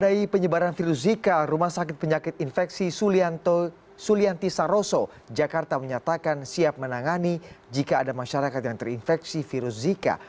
dari penyebaran virus zika rumah sakit penyakit infeksi sulianti saroso jakarta menyatakan siap menangani jika ada masyarakat yang terinfeksi virus zika